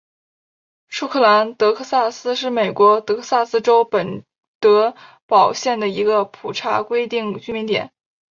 舒格兰德克萨斯是美国德克萨斯州本德堡县的一个普查规定居民点。